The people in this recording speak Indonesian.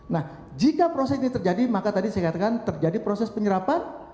nah jika proses ini terjadi maka tadi saya katakan terjadi proses penyerapan